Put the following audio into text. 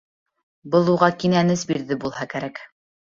Был уға кинәнес бирҙе булһа кәрәк.